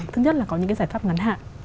thứ nhất là có những cái giải pháp ngắn hạn